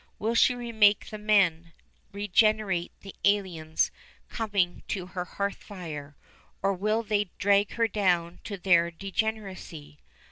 Will she remake the men, regenerate the aliens, coming to her hearth fire; or will they drag her down to their degeneracy?